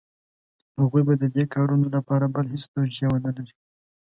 هغوی به د دې کارونو لپاره بله هېڅ توجیه ونه لري.